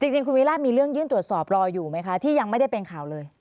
จริงคุณวิราชมีเรื่องยื่นตรวจสอบรออยู่ไหมคะที่ยังไม่ได้เป็นข่าวเลย